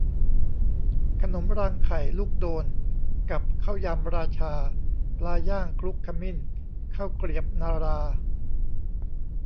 ขนมรางไข่ ลูกโดน กับ ข้าวยำ 'ราชา' ปลาย่างคลุกขมิ้น ข้าวเกรียบนรา